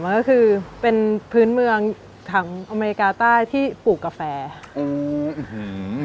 มันก็คือเป็นพื้นเมืองถังอเมริกาใต้ที่ปลูกกาแฟอืมอื้อหือ